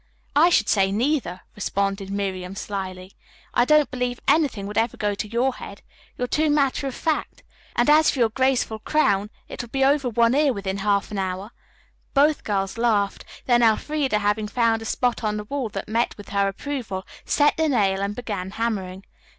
"I should say, neither," responded Miriam slyly. "I don't believe anything would ever go to your head. You're too matter of fact, and as for your graceful crown, it would be over one ear within half an hour." Both girls laughed, then Elfreda, having found a spot on the wall that met with her approval, set the nail and began hammering.